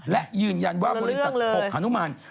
และยืนยันว่าบริษัทปกรรมธนุมันคนละเรื่องเลย